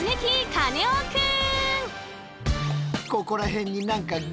カネオくん！